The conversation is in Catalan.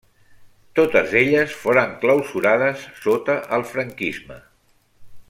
Totes elles foren clausurades sota el franquisme.